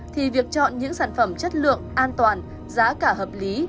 thì việc chọn những sản phẩm chất lượng an toàn giá cả hợp lý